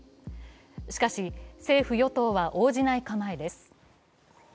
しかし、政府・与党は応じない構えです。